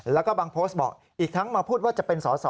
แล้วก็บางโพสต์บอกอีกทั้งมาพูดว่าจะเป็นสอสอ